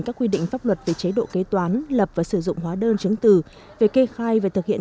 các quy định pháp luật về chế độ kế toán lập và sử dụng hóa đơn chứng tử về kê khai và thực hiện